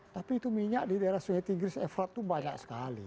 tapi itu minyak di daerah suhaity greece efrad itu banyak sekali